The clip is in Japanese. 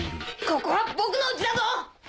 ここは僕の家だぞ！